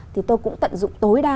thì tôi cũng tận dụng tối đa